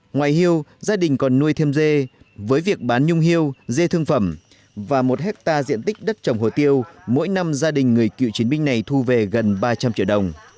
ngoài hiêu gia đình còn nuôi thêm dê với việc bán nhung hiêu dê thương phẩm và một hectare diện tích đất trồng hồ tiêu mỗi năm gia đình người cựu chiến binh này thu về gần ba trăm linh triệu đồng